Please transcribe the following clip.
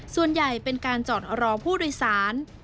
ส่วนใหญ่เป็นการจอดรอผู้โดยสาร